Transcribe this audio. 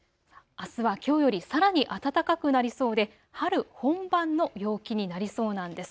あすはきょうよりさらに暖かくなりそうで春本番の陽気になりそうなんです。